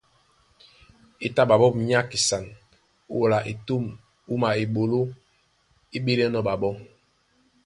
É tá ɓaɓɔ́ minyákisan ó wala etûm wúma eɓoló é ɓélɛ́nɔ̄ ɓaɓɔ́.